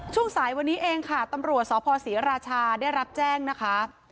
ช่วงสายวันนี้เองค่ะตำรวจสพศรีราชาได้รับแจ้งนะคะ